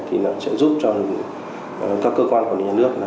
thì nó sẽ giúp cho các cơ quan quản lý nhà nước